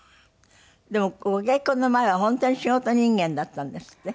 でもご結婚の前は本当に仕事人間だったんですって？